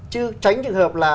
chứ tránh trường hợp là